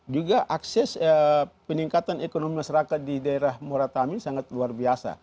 juga akses peningkatan ekonomi masyarakat di daerah muratami sangat luar biasa